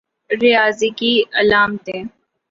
ریاضی کی علامتیں